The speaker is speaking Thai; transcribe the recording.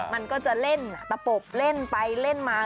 มันก็จะเล่นตะปบเล่นไปเล่นมา